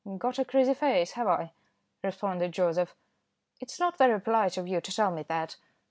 "Got a greasy face, have I?" responded Joseph. "It's not very polite of you to tell me that."